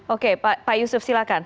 oke pak yusuf silakan